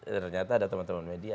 ternyata ada teman teman media